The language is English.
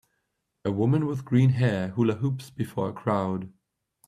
A woman with green hair hula hoops before a crowd.